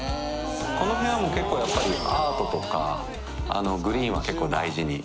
この部屋も結構やっぱりアートとかグリーンは結構大事に。